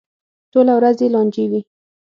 ټوله ورځ یې لانجې وي.